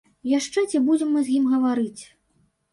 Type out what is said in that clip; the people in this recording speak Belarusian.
Яшчэ ці будзем мы з ім гаварыць.